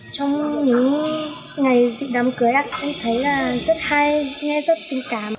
trong những ngày dịp đám cưới em thấy là rất hay nghe rất tình cảm